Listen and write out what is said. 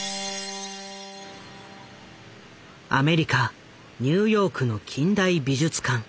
アメリカニューヨークの近代美術館